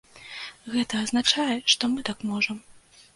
Гэта азначае, што мы так можам.